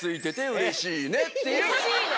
うれしいね！